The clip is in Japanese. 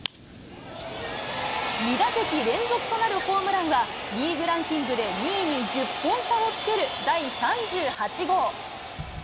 ２打席連続となるホームランは、リーグランキングで２位に１０本差をつける第３８号。